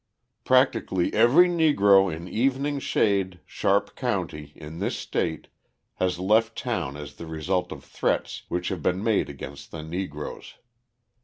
Practically every Negro in Evening Shade, Sharp County, in this state, has left town as the result of threats which have been made against the Negroes.